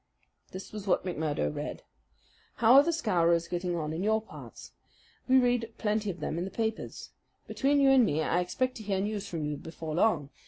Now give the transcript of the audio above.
This was what McMurdo read: How are the Scowrers getting on in your parts? We read plenty of them in the papers. Between you and me I expect to hear news from you before long.